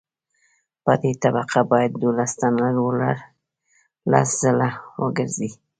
په دې طبقه باید دولس ټنه رولر لس ځله وګرځي